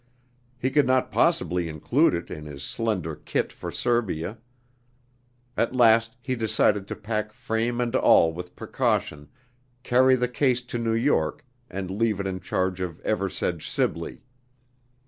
He could not possibly include it in his slender "kit" for Serbia. At last he decided to pack frame and all with precaution, carry the case to New York, and leave it in charge of Eversedge Sibley.